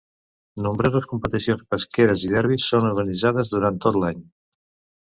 Nombroses competicions pesqueres i derbis són organitzades durant tot l'any.